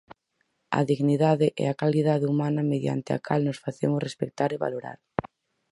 A dignidade é a calidade humana mediante a cal nos facemos respectar e valorar.